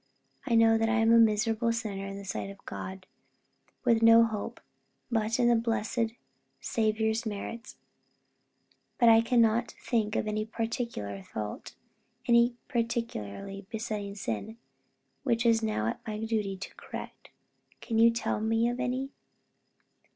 I know that I am a miserable sinner in the sight of God, with no hope but in the blessed Saviour's merits; but I cannot think of any particular fault, any peculiarly besetting sin, which it is now my duty to correct. Can you tell me of any?"